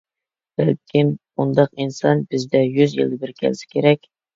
بەلكىم ئۇنداق ئىنسان بىزدە يۈز يىلدا بىر كەلسە كېرەك.